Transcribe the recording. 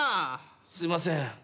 すいません。